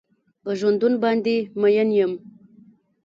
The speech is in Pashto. په ژوندون باندې مين يم.